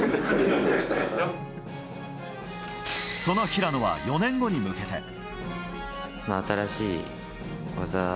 その平野は４年後に向けて。